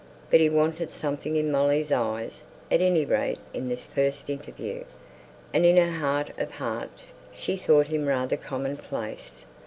But he wanted something in Molly's eyes at any rate, in this first interview, and in her heart of hearts she thought him rather commonplace.